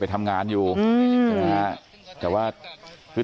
ก็คุณตามมาอยู่กรงกีฬาดครับ